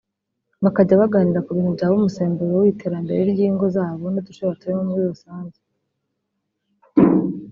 bakajya baganira ku bintu byaba umusemburo w’iterambere ry’ingo zabo n’uduce batuyemo muri rusange